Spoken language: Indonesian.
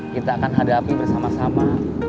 kita akan hadapi bersama sama